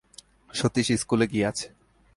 সতীশ ইস্কুলে গিয়াছে।